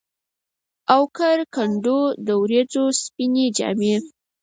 اوکر کنډو ، وریځو سپيني جامې